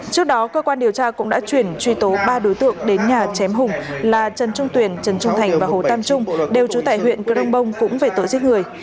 trước đó cơ quan điều tra cũng đã chuyển truy tố ba đối tượng đến nhà chém hùng là trần trung tuyền trần trung thành và hồ tam trung đều trú tại huyện crong bông cũng về tội giết người